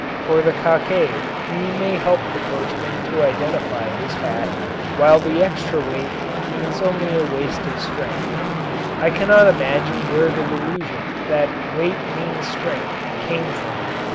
For the cockade may help the coachman to identify his hat while the extra weight means only a waste of strength. I cannot imagine where the delusion that weight means strength came from.